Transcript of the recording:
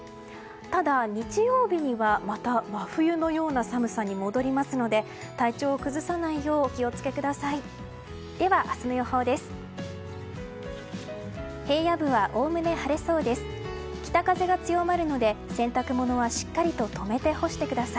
ただ、日曜日にはまた真冬のような寒さに戻りますので体調を崩さないようお気をつけください。